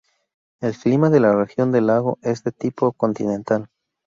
El clima de la región del lago es de tipo continental.